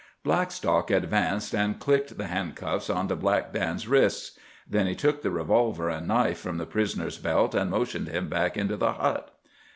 Blackstock advanced and clicked the handcuffs on to Black Dan's wrists. Then he took the revolver and knife from the prisoner's belt, and motioned him back into the hut.